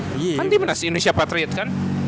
kan dimana sih indonesia patriot kan